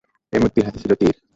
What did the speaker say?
এ মূর্তির হাতে ছিল তীর।